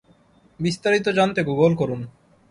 বিস্তারিত জানতে গুগল করুন।